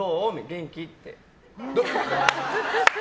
元気？って。